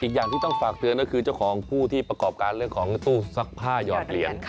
อย่างที่ต้องฝากเตือนก็คือเจ้าของผู้ที่ประกอบการเรื่องของตู้ซักผ้าหยอดเหรียญ